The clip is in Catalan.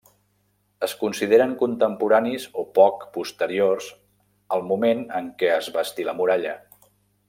Es consideren contemporanis o poc posteriors al moment en què es bastí la muralla.